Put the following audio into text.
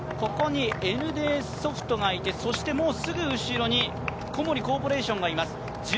ここにＮＤソフトがソフトがいて、そしてもうすぐ後ろに小森コーポレーションがいます。